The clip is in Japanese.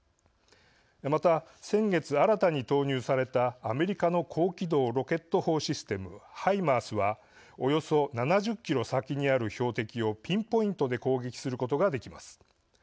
また先月新たに投入されたアメリカの高機動ロケット砲システムＨＩＭＡＲＳはおよそ７０キロ先にある標的をピンポイントで攻撃することができます。